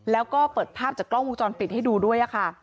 แล้วก็เปิดภาพจากกล้องวงจรปิดให้ดูด้วยค่ะ